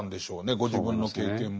ご自分の経験も。